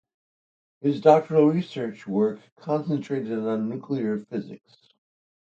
His doctoral research work concentrated on nuclear physics.